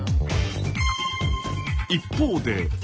一方で。